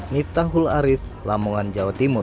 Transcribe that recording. miftahul arief lamongan jawa timur